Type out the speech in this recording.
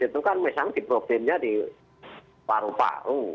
itu kan misalnya di problemnya di paru paru